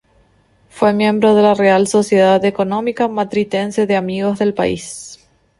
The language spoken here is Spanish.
Fue miembro de la Real Sociedad Económica Matritense de Amigos del País.